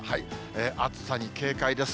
暑さに警戒です。